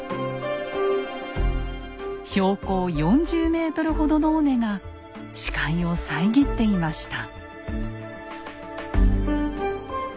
標高４０ｍほどの尾根が視界を遮っていました。